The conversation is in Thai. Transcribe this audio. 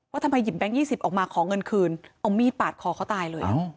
ทำไมหยิบแบงค์๒๐ออกมาขอเงินคืนเอามีดปาดคอเขาตายเลย